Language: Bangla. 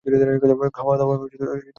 খাওয়া শুরু করুন আপনারা।